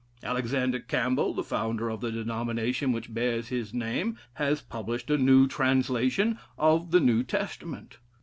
Alexander Campbell, the founder of the denomination which bears his name, has published a new translation of the New Testament.